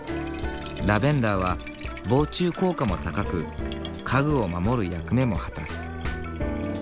ラベンダーは防虫効果も高く家具を守る役目も果たす。